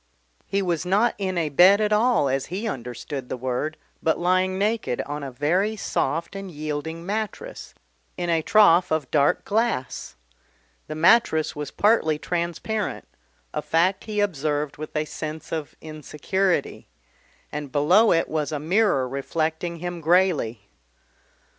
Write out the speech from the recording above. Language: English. He was not in a bed at all as he understood the word, but lying naked on a very soft and yielding mattress, in a trough of dark glass. The mattress was partly transparent, a fact he observed with a sense of insecurity, and below it was a mirror reflecting him greyly.